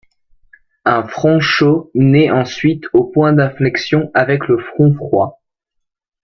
Un front chaud naît ensuite au point d'inflexion avec le front froid.